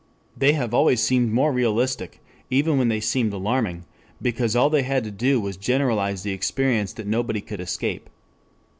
They have always seemed more realistic, even when they seemed alarming, because all they had to do was to generalize the experience that nobody could escape.